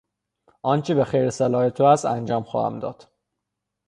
آنچه به خیر و صلاح تو است انجام خواهم داد.